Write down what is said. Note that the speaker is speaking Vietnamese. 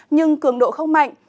nhưng cường độ không mạnh